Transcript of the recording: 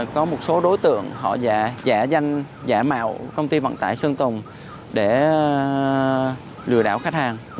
có một số đối tượng họ giả danh giả mạo công ty vận tải sơn tùng để lừa đảo khách hàng